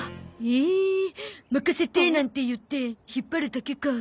ええ任せてなんて言って引っ張るだけか。